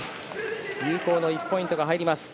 有効の１ポイントが入ります。